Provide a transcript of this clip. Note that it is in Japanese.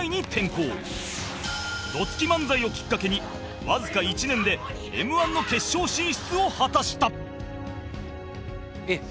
どつき漫才をきっかけにわずか１年で Ｍ−１ の決勝進出を果たしたえっ？